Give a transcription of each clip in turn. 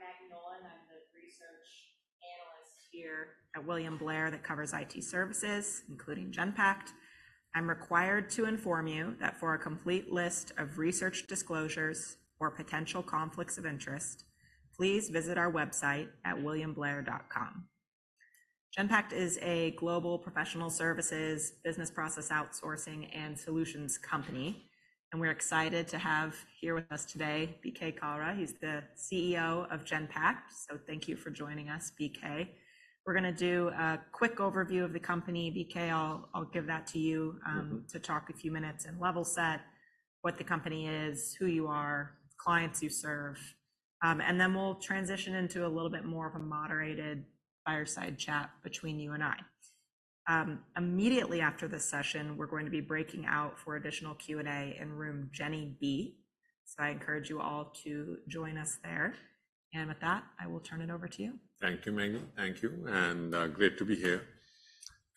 Hello. Thank you all for being here. I'm Maggie Nolan. I'm the research analyst here at William Blair that covers IT services, including Genpact. I'm required to inform you that for a complete list of research disclosures or potential conflicts of interest, please visit our website at williamblair.com. Genpact is a global professional services, business process outsourcing, and solutions company, and we're excited to have here with us today, BK Kalra. He's the CEO of Genpact, so thank you for joining us, BK. We're gonna do a quick overview of the company. BK, I'll, I'll give that to you- Mm-hmm... to talk a few minutes and level set what the company is, who you are, clients you serve. And then we'll transition into a little bit more of a moderated fireside chat between you and I. Immediately after this session, we're going to be breaking out for additional Q&A in room Jenner B, so I encourage you all to join us there. And with that, I will turn it over to you. Thank you, Maggie. Thank you, and, great to be here.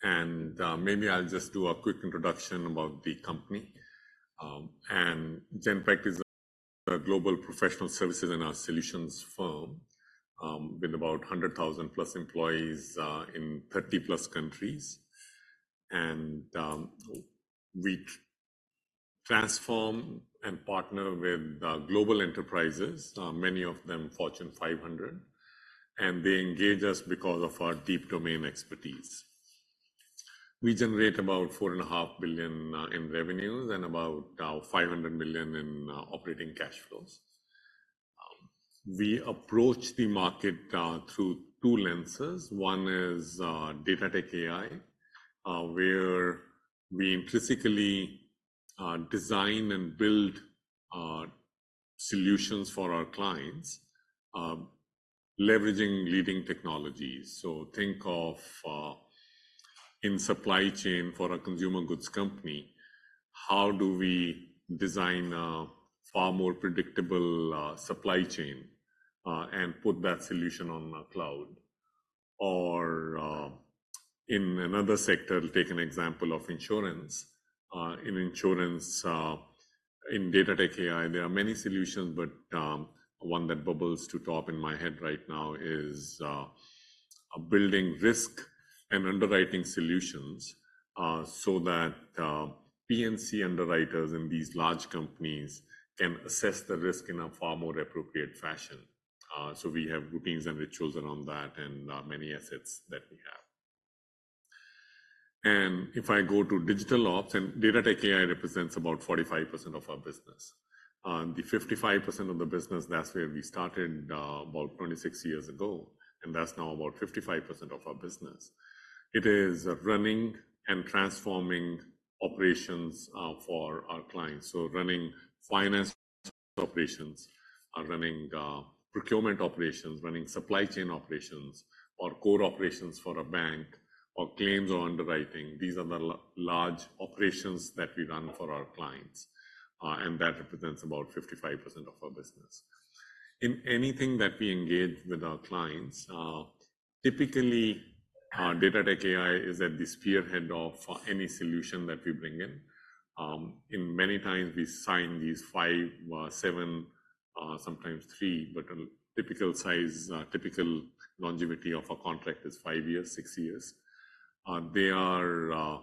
Maybe I'll just do a quick introduction about the company. Genpact is a global professional services and a solutions firm, with about 100,000+ employees, in 30+ countries. We transform and partner with, global enterprises, many of them Fortune 500, and they engage us because of our deep domain expertise. We generate about $4.5 billion in revenues and about, $500 million in, operating cash flows. We approach the market, through two lenses. One is, Data-Tech-AI, where we intrinsically, design and build, solutions for our clients, leveraging leading technologies. So think of in supply chain for a consumer goods company, how do we design a far more predictable supply chain and put that solution on the cloud? Or in another sector, take an example of insurance. In insurance, in Data-Tech-AI, there are many solutions, but one that bubbles to top in my head right now is building risk and underwriting solutions so that P&C underwriters in these large companies can assess the risk in a far more appropriate fashion. So we have routines and rituals around that and many assets that we have. And if I go to Digital Ops, and Data-Tech-AI represents about 45% of our business. The 55% of the business, that's where we started, about 26 years ago, and that's now about 55% of our business. It is running and transforming operations for our clients. So running finance operations, running procurement operations, running supply chain operations, or core operations for a bank, or claims or underwriting. These are the large operations that we run for our clients, and that represents about 55% of our business. In anything that we engage with our clients, typically, Data-Tech-AI is at the spearhead of any solution that we bring in. In many times, we sign these 5, 7, sometimes 3, but a typical size, typical longevity of a contract is 5 years, 6 years. They are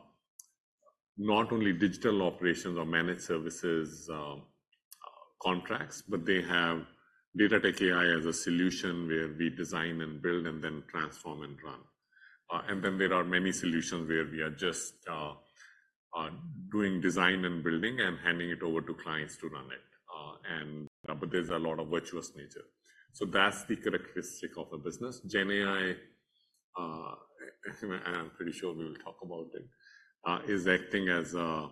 not only digital operations or managed services contracts, but they have Data-Tech-AI as a solution where we design and build and then transform and run. And then there are many solutions where we are just doing design and building and handing it over to clients to run it, and but there's a lot of virtuous nature. So that's the characteristic of a business. GenAI, and I'm pretty sure we will talk about it, is acting as a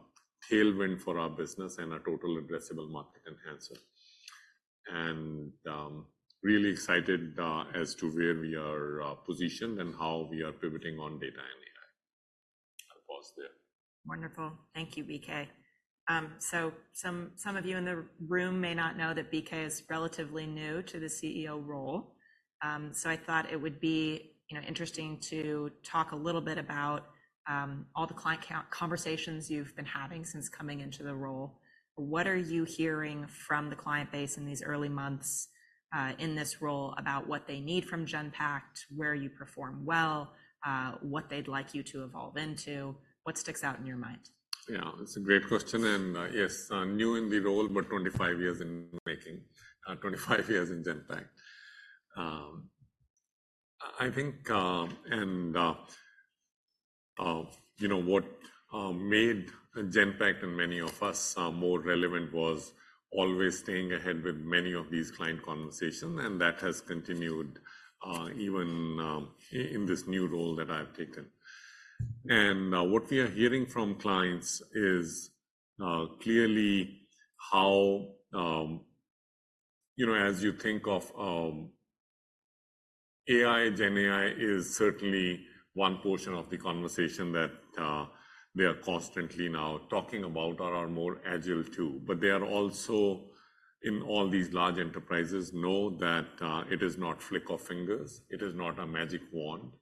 tailwind for our business and a total addressable market enhancer. And, really excited, as to where we are positioned and how we are pivoting on data and AI. I'll pause there. Wonderful. Thank you, BK. So some of you in the room may not know that BK is relatively new to the CEO role. So I thought it would be, you know, interesting to talk a little bit about all the client conversations you've been having since coming into the role. What are you hearing from the client base in these early months in this role about what they need from Genpact, where you perform well, what they'd like you to evolve into? What sticks out in your mind? Yeah, it's a great question, and yes, new in the role, but 25 years in making, 25 years in Genpact. I think, and you know, what made Genpact and many of us more relevant was always staying ahead with many of these client conversations, and that has continued even in this new role that I've taken. What we are hearing from clients is clearly how... You know, as you think of AI, GenAI is certainly one portion of the conversation that they are constantly now talking about or are more agile to. But they are also, in all these large enterprises, know that it is not flick of fingers. It is not a magic wand.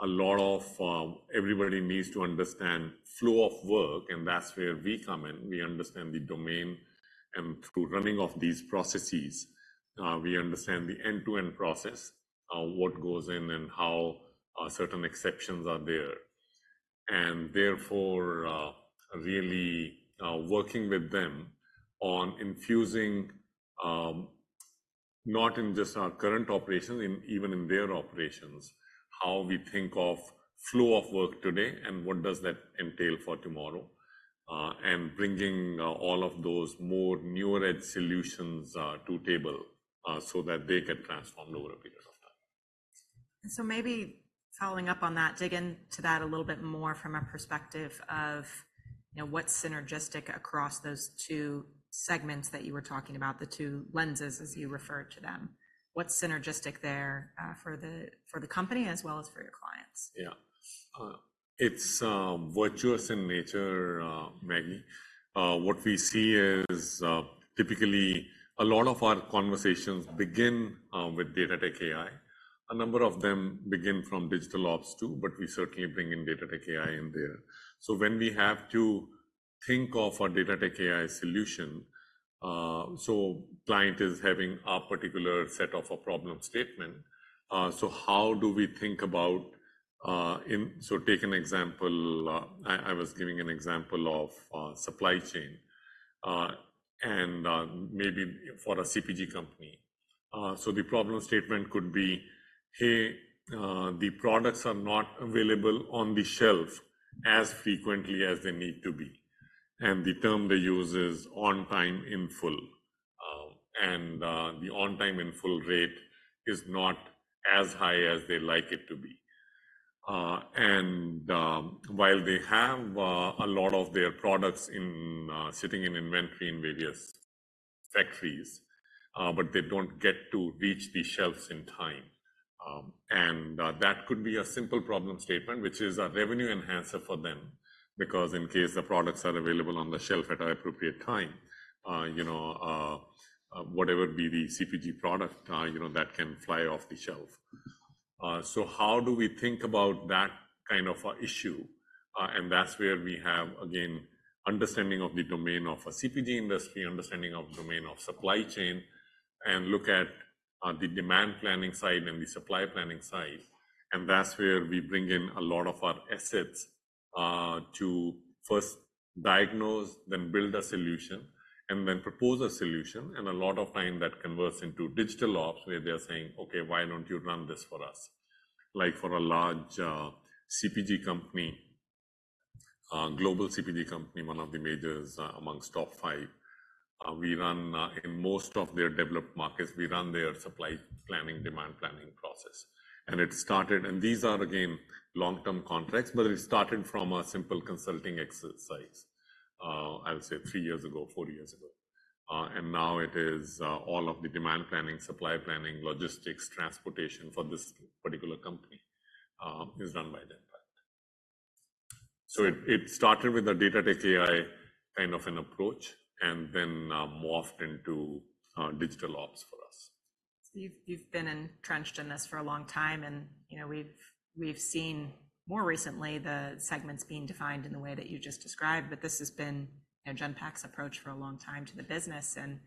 A lot of everybody needs to understand flow of work, and that's where we come in. We understand the domain, and through running of these processes, we understand the end-to-end process, what goes in and how, certain exceptions are there. And therefore, really, working with them on infusing, not in just our current operations, in even in their operations, how we think of flow of work today, and what does that entail for tomorrow? And bringing all of those more newer edge solutions to table, so that they get transformed over a period of time. And so maybe following up on that, dig into that a little bit more from a perspective of, you know, what's synergistic across those two segments that you were talking about, the two lenses as you referred to them. What's synergistic there for the company as well as for your clients? Yeah. It's virtuous in nature, Maggie. What we see is, typically a lot of our conversations begin with data tech AI. A number of them begin from digital ops too, but we certainly bring in data tech AI in there. So when we have to think of a data tech AI solution, so client is having a particular set of a problem statement, so how do we think about. So take an example. I was giving an example of supply chain, and maybe for a CPG company. So the problem statement could be, hey, the products are not available on the shelf as frequently as they need to be, and the term they use is on-time, in-full. The on-time, in-full rate is not as high as they like it to be. And while they have a lot of their products sitting in inventory in various factories, but they don't get to reach the shelves in time. And that could be a simple problem statement, which is a revenue enhancer for them, because in case the products are available on the shelf at an appropriate time, you know, whatever be the CPG product, you know, that can fly off the shelf. So how do we think about that kind of a issue? And that's where we have, again, understanding of the domain of a CPG industry, understanding of domain of supply chain, and look at the demand planning side and the supply planning side. That's where we bring in a lot of our assets to first diagnose, then build a solution, and then propose a solution. A lot of time that converts into Digital Ops, where they are saying, "Okay, why don't you run this for us?" Like for a large CPG company, global CPG company, one of the majors, among top five, we run in most of their developed markets, we run their supply planning, demand planning process. And it started... These are again long-term contracts, but it started from a simple consulting exercise, I would say three years ago, four years ago. And now it is all of the demand planning, supply planning, logistics, transportation for this particular company is run by Genpact. So it started with a Data-Tech-AI kind of an approach and then morphed into Digital Ops for us. You've been entrenched in this for a long time, and, you know, we've seen more recently the segments being defined in the way that you just described, but this has been, you know, Genpact's approach for a long time to the business, and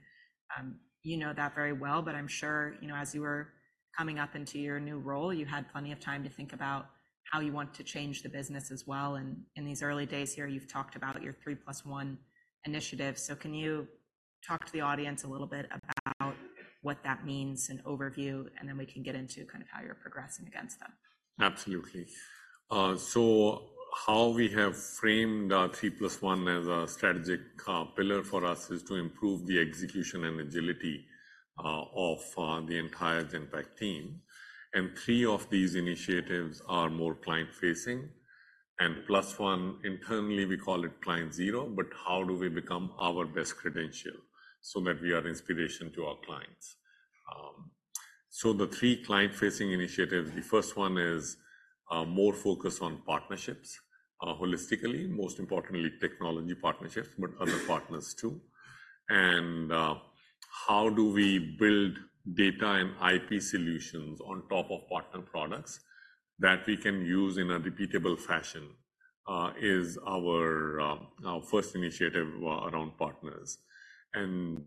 you know that very well. But I'm sure, you know, as you were coming up into your new role, you had plenty of time to think about how you want to change the business as well. And in these early days here, you've talked about your three plus one initiative. So can you talk to the audience a little bit about what that means, an overview, and then we can get into kind of how you're progressing against them? Absolutely. So how we have framed our 3+1 as a strategic pillar for us is to improve the execution and agility of the entire Genpact team. Three of these initiatives are more client-facing, and +1, internally, we call it Client Zero, but how do we become our best credential so that we are inspiration to our clients? So the three client-facing initiatives, the first one is more focused on partnerships holistically, most importantly, technology partnerships, but other partners too. And how do we build data and IP solutions on top of partner products that we can use in a repeatable fashion is our first initiative around partners. In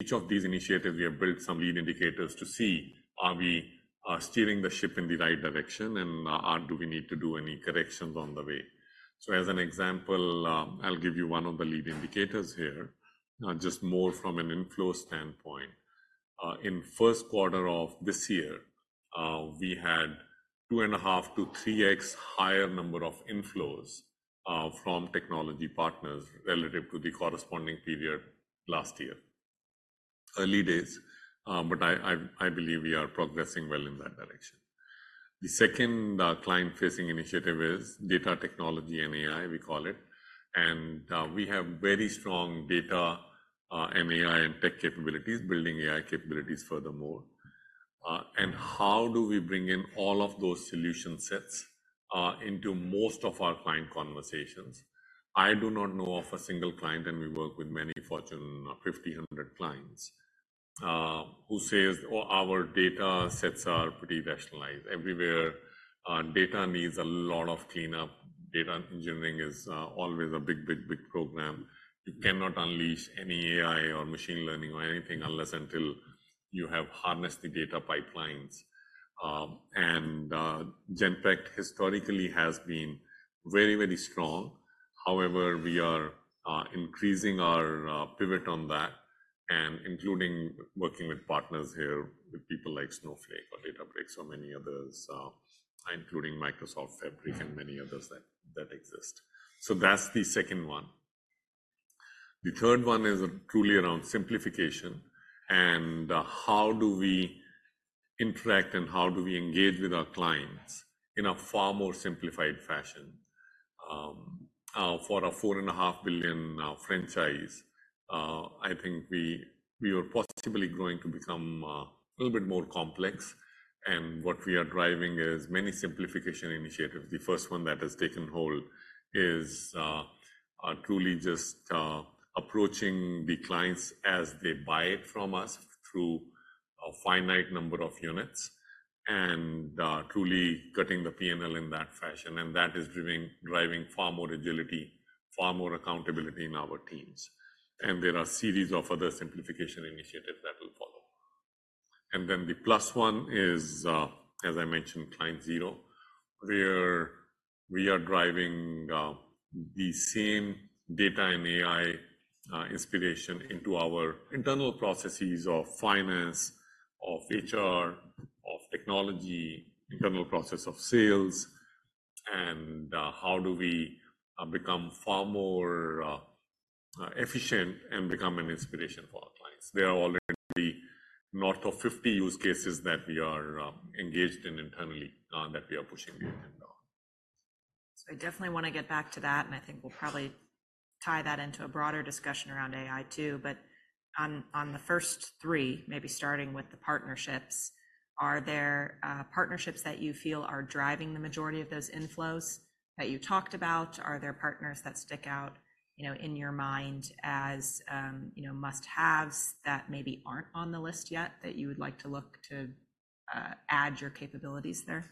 each of these initiatives, we have built some lead indicators to see, are we steering the ship in the right direction, and, or do we need to do any corrections on the way? So as an example, I'll give you one of the lead indicators here, just more from an inflow standpoint. In first quarter of this year, we had 2.5-3x higher number of inflows from technology partners relative to the corresponding period last year. Early days, but I believe we are progressing well in that direction. The second client-facing initiative is data technology and AI, we call it, and we have very strong data and AI and tech capabilities, building AI capabilities furthermore. And how do we bring in all of those solution sets?... into most of our client conversations. I do not know of a single client, and we work with many Fortune 500 clients, who says, "Oh, our data sets are pretty rationalized." Everywhere, data needs a lot of cleanup. Data engineering is always a big, big, big program. You cannot unleash any AI or machine learning or anything unless until you have harnessed the data pipelines. Genpact historically has been very, very strong. However, we are increasing our pivot on that and including working with partners here, with people like Snowflake or Databricks or many others, including Microsoft Fabric and many others that exist. So that's the second one. The third one is truly around simplification, and how do we interact and how do we engage with our clients in a far more simplified fashion? For a $4.5 billion franchise, I think we were possibly going to become a little bit more complex, and what we are driving is many simplification initiatives. The first one that has taken hold is truly just approaching the clients as they buy it from us through a finite number of units and truly cutting the PNL in that fashion, and that is driving far more agility, far more accountability in our teams. And there are series of other simplification initiatives that will follow. And then the plus one is, as I mentioned, Client Zero, where we are driving the same data and AI inspiration into our internal processes of finance, of HR, of technology, internal process of sales, and how do we become far more efficient and become an inspiration for our clients? There are already north of 50 use cases that we are engaged in internally that we are pushing the agenda on. I definitely wanna get back to that, and I think we'll probably tie that into a broader discussion around AI too. But on the first three, maybe starting with the partnerships, are there partnerships that you feel are driving the majority of those inflows that you talked about? Are there partners that stick out, you know, in your mind as you know, must-haves that maybe aren't on the list yet, that you would like to look to add your capabilities there?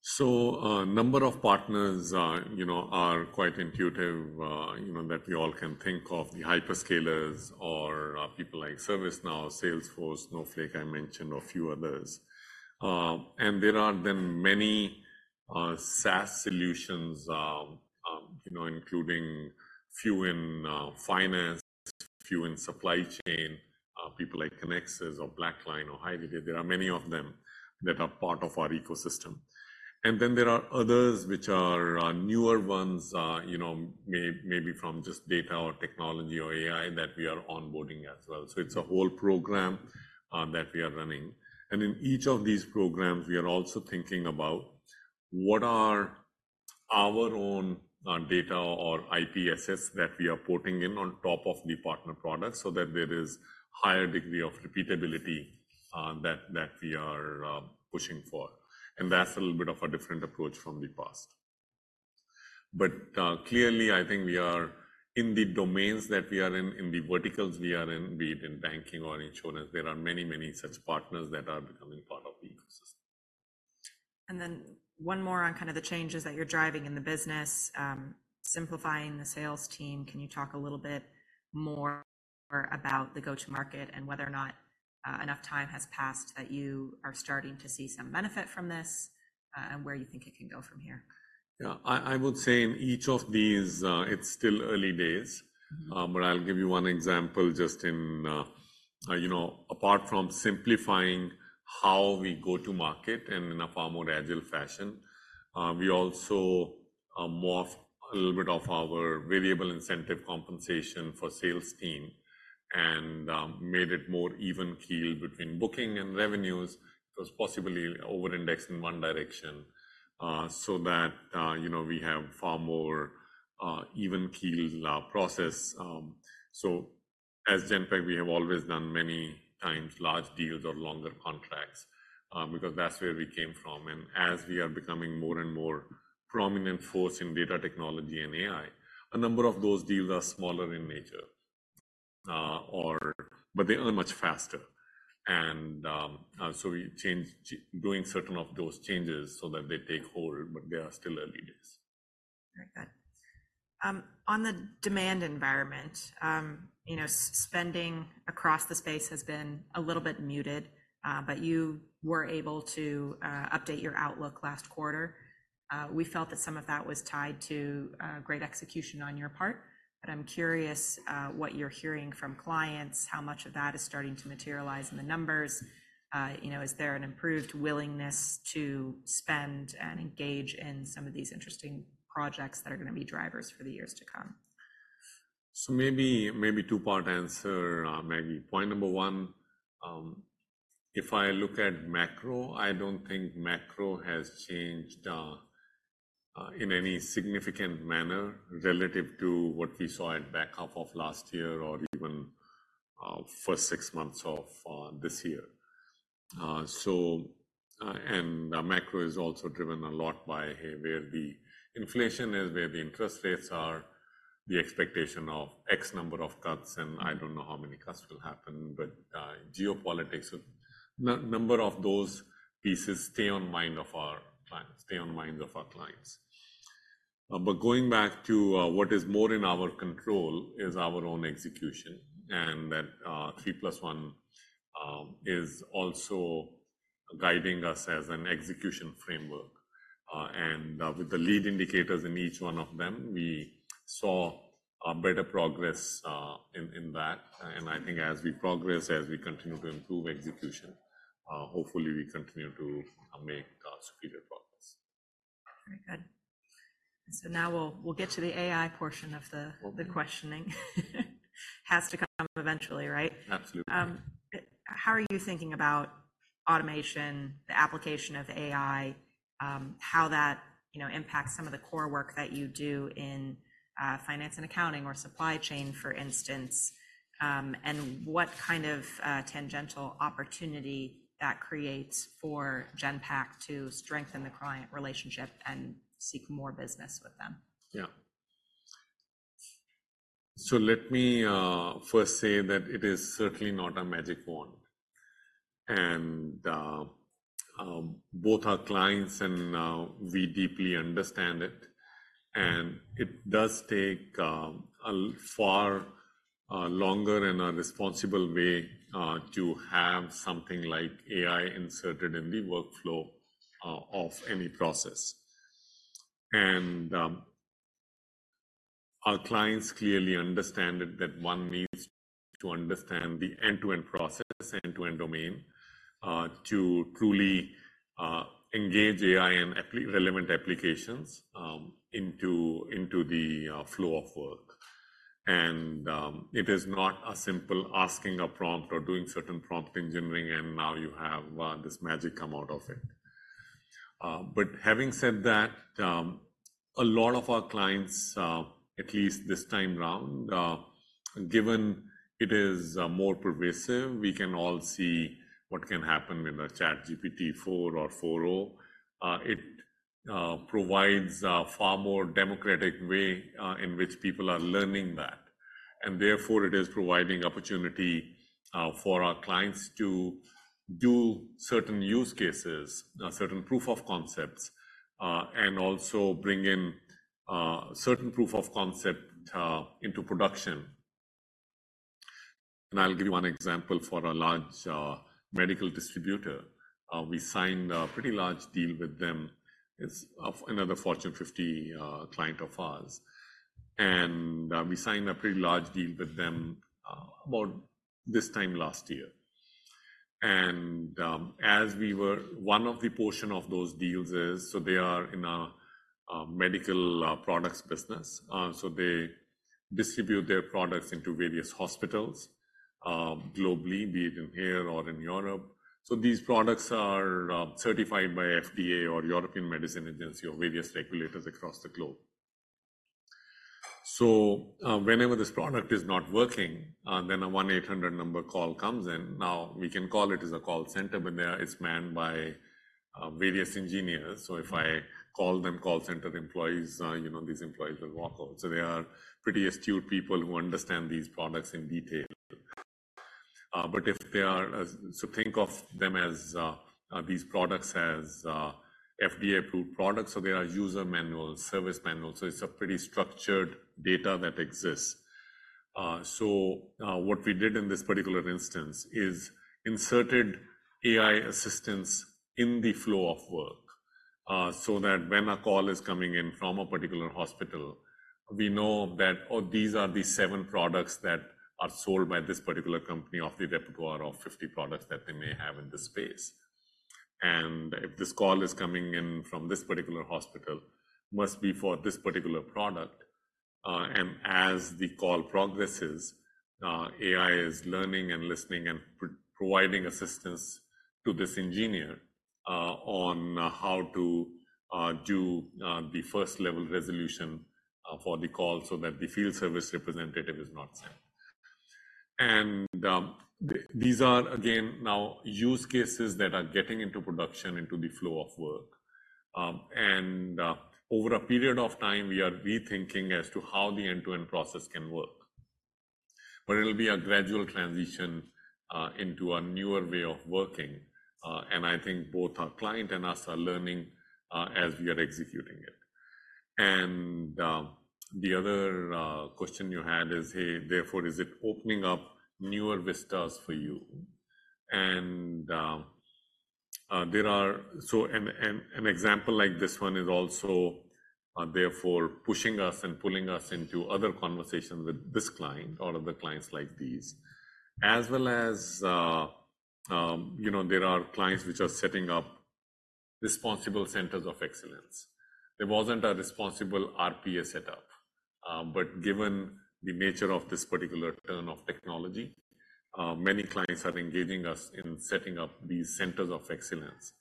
So, number of partners, you know, are quite intuitive, you know, that we all can think of, the hyperscalers or, people like ServiceNow, Salesforce, Snowflake, I mentioned, a few others. And there are then many, SaaS solutions, you know, including few in, finance, few in supply chain, people like Kinaxis or BlackLine or HighRadius. There are many of them that are part of our ecosystem. And then there are others which are, newer ones, you know, maybe from just data or technology or AI, that we are onboarding as well. So it's a whole program, that we are running. And in each of these programs, we are also thinking about what are our own, data or IP assets that we are putting in on top of the partner products so that there is higher degree of repeatability, that, that we are, pushing for. And that's a little bit of a different approach from the past. But, clearly, I think we are in the domains that we are in, in the verticals we are in, be it in banking or insurance, there are many, many such partners that are becoming part of the ecosystem. And then one more on kind of the changes that you're driving in the business, simplifying the sales team. Can you talk a little bit more about the go-to-market and whether or not enough time has passed that you are starting to see some benefit from this, and where you think it can go from here? Yeah, I would say in each of these, it's still early days. Mm-hmm. But I'll give you one example, you know, apart from simplifying how we go to market and in a far more agile fashion, we also morphed a little bit of our variable incentive compensation for sales team and made it more even keeled between booking and revenues. It was possibly overindexed in one direction, so that, you know, we have far more even keeled process. So as Genpact, we have always done many times large deals or longer contracts, because that's where we came from. And as we are becoming more and more prominent force in data technology and AI, a number of those deals are smaller in nature, or... but they earn much faster. We changed, doing certain of those changes so that they take hold, but they are still early days. Very good. On the demand environment, you know, spending across the space has been a little bit muted, but you were able to update your outlook last quarter. We felt that some of that was tied to great execution on your part, but I'm curious what you're hearing from clients, how much of that is starting to materialize in the numbers? You know, is there an improved willingness to spend and engage in some of these interesting projects that are gonna be drivers for the years to come? So maybe, maybe two-part answer, maybe. Point number 1, if I look at macro, I don't think macro has changed in any significant manner relative to what we saw at back half of last year or even first 6 months of this year. And macro is also driven a lot by where the inflation is, where the interest rates are, the expectation of X number of cuts, and I don't know how many cuts will happen, but geopolitics will, a number of those pieces stay on mind of our clients, stay on the minds of our clients. But going back to what is more in our control is our own execution, and that 3+1 is also guiding us as an execution framework. With the lead indicators in each one of them, we saw a better progress in that. I think as we progress, as we continue to improve execution, hopefully we continue to make superior progress. Very good. So now we'll, we'll get to the AI portion of the- Okay. -the questioning. Has to come up eventually, right? Absolutely. How are you thinking about automation, the application of AI, how that, you know, impacts some of the core work that you do in finance and accounting or supply chain, for instance, and what kind of tangential opportunity that creates for Genpact to strengthen the client relationship and seek more business with them? Yeah. So let me first say that it is certainly not a magic wand. And both our clients and we deeply understand it, and it does take a far longer and a responsible way to have something like AI inserted in the workflow of any process. And our clients clearly understand that that one needs to understand the end-to-end process, end-to-end domain to truly engage AI and relevant applications into the flow of work. And it is not a simple asking a prompt or doing certain prompt engineering, and now you have this magic come out of it. But having said that, a lot of our clients, at least this time round, given it is more pervasive, we can all see what can happen with a ChatGPT-4 or 4o. It provides a far more democratic way in which people are learning that, and therefore, it is providing opportunity for our clients to do certain use cases, certain proof of concepts, and also bring in certain proof of concept into production. And I'll give you one example for a large medical distributor. We signed a pretty large deal with them. It's of another Fortune 50 client of ours, and we signed a pretty large deal with them about this time last year. And, as we were one of the portions of those deals is, so they are in a medical products business. So they distribute their products into various hospitals globally, be it in here or in Europe. So these products are certified by FDA or European Medicines Agency or various regulators across the globe. So, whenever this product is not working, then a 1-800 number call comes in. Now, we can call it as a call center, but there it's manned by various engineers. So if I call them call center employees, you know, these employees will walk out. So they are pretty astute people who understand these products in detail. But if they are so think of them as these products as FDA-approved products. There are user manuals, service manuals, so it's a pretty structured data that exists. What we did in this particular instance is inserted AI assistance in the flow of work, so that when a call is coming in from a particular hospital, we know that, oh, these are the 7 products that are sold by this particular company of the repertoire of 50 products that they may have in this space. If this call is coming in from this particular hospital, must be for this particular product. As the call progresses, AI is learning and listening and providing assistance to this engineer on how to do the first-level resolution for the call so that the field service representative is not sent. These are, again, now use cases that are getting into production, into the flow of work. Over a period of time, we are rethinking as to how the end-to-end process can work. But it'll be a gradual transition into a newer way of working, and I think both our client and us are learning as we are executing it. The other question you had is, hey, therefore, is it opening up newer vistas for you? There are so an example like this one is also therefore pushing us and pulling us into other conversations with this client or other clients like these. As well as, you know, there are clients which are setting up responsible centers of excellence. There wasn't a responsible RPA setup.... But given the nature of this particular turn of technology, many clients are engaging us in setting up these centers of excellence.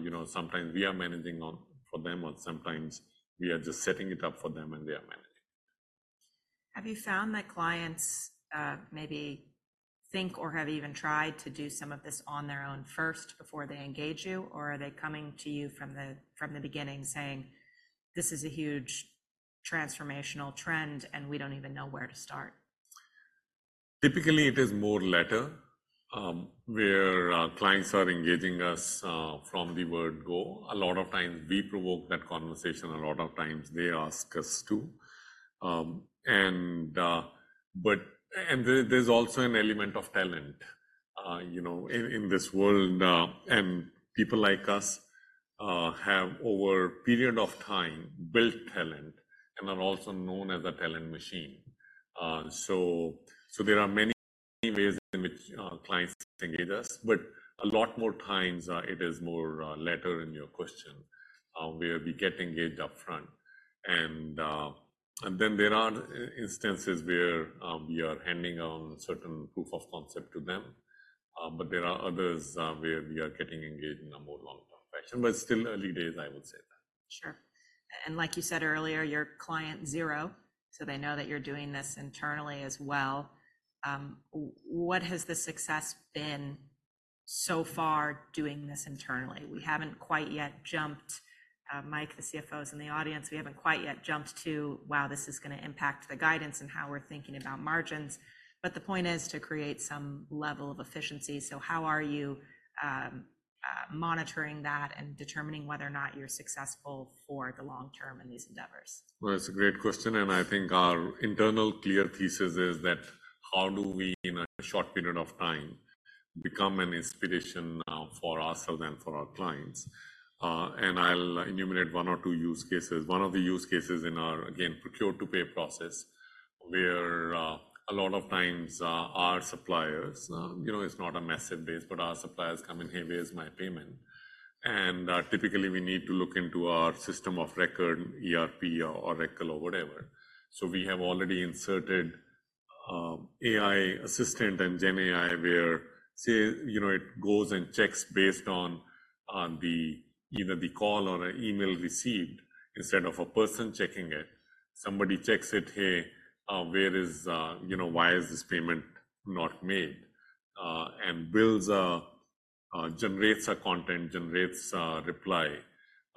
You know, sometimes we are managing on for them, or sometimes we are just setting it up for them, and they are managing. Have you found that clients, maybe think or have even tried to do some of this on their own first before they engage you? Or are they coming to you from the beginning saying, "This is a huge transformational trend, and we don't even know where to start? Typically, it is more latter where our clients are engaging us from the word go. A lot of times we provoke that conversation; a lot of times they ask us to. And there's also an element of talent. You know, in this world, and people like us have over period of time built talent and are also known as a talent machine. So there are many ways in which clients engage us, but a lot more times it is more latter in your question where we get engaged upfront. And then there are instances where we are handing on certain proof of concept to them, but there are others where we are getting engaged in a more long-term fashion. But still early days, I would say that. Sure. Like you said earlier, you're Client Zero, so they know that you're doing this internally as well. What has the success been so far doing this internally? We haven't quite yet jumped... Mike, the CFO, is in the audience. We haven't quite yet jumped to, "Wow, this is gonna impact the guidance and how we're thinking about margins." But the point is to create some level of efficiency. How are you monitoring that and determining whether or not you're successful for the long term in these endeavors? Well, it's a great question, and I think our internal clear thesis is that how do we, in a short period of time, become an inspiration for ourselves and for our clients? And I'll enumerate one or two use cases. One of the use cases in our, again, procure-to-pay process, where a lot of times our suppliers, you know, it's not a massive base, but our suppliers come in, "Hey, where's my payment?" And typically we need to look into our system of record, ERP or Oracle or whatever. So we have already inserted AI assistant and GenAI, where, say, you know, it goes and checks based on either the call or an email received, instead of a person checking it. Somebody checks it: "Hey, where is... You know, "Why is this payment not made?" And builds a, generates a content, generates a reply.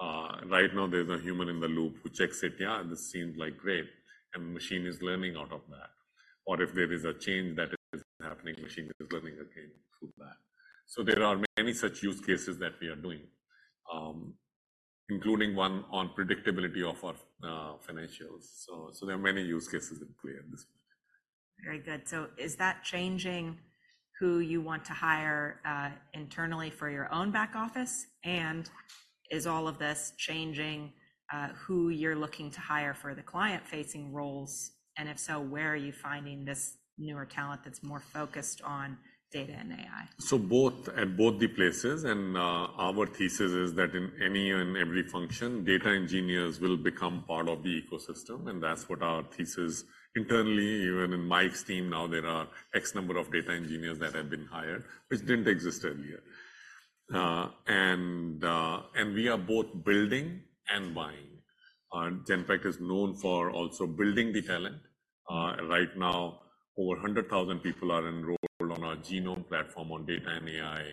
Right now there's a human in the loop who checks it, "Yeah, this seems like great," and the machine is learning out of that. Or if there is a change that is happening, machine is learning again through that. So there are many such use cases that we are doing, including one on predictability of our, financials. So, so there are many use cases in play at this point. Very good. So is that changing who you want to hire internally for your own back office? And is all of this changing who you're looking to hire for the client-facing roles? And if so, where are you finding this newer talent that's more focused on data and AI? So both at both the places, and our thesis is that in any and every function, data engineers will become part of the ecosystem, and that's what our thesis. Internally, even in Mike's team now, there are X number of data engineers that have been hired, which didn't exist earlier. And we are both building and buying. Genpact is known for also building the talent. Right now, over 100,000 people are enrolled on our Genome platform on data and AI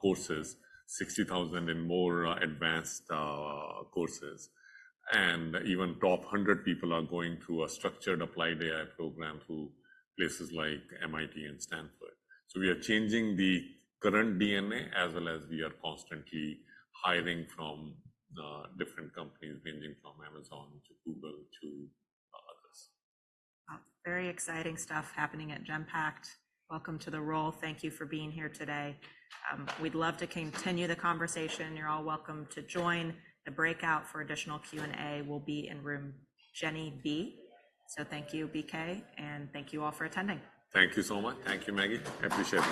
courses, 60,000 in more advanced courses. Even top 100 people are going through a structured applied AI program through places like MIT and Stanford. So we are changing the current DNA, as well as we are constantly hiring from different companies, ranging from Amazon to Google to others. Very exciting stuff happening at Genpact. Welcome to the call. Thank you for being here today. We'd love to continue the conversation. You're all welcome to join. The breakout for additional Q&A will be in room Jenner B. Thank you, BK, and thank you all for attending. Thank you so much. Thank you, Maggie. I appreciate it.